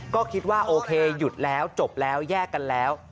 ก็คิดว่าโอเคหยุดแล้วจบแล้วแยกกันแล้ว